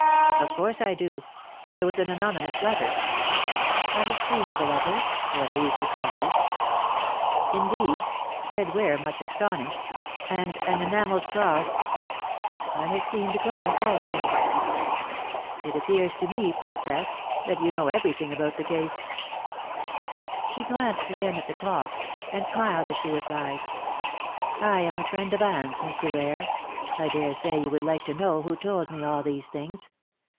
"Of course I do. There was an anonymous letter " "I have seen the letter, or at least a copy." "Indeed," said Ware, much astonished, "and an enamelled cross " "I have seen the cross also." "It appears to me, Princess, that you know everything about the case." She glanced again at the clock, and smiled as she replied, "I am a friend of Anne's, Mr. Ware. I daresay you would like to know who told me all these things.